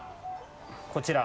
こちら。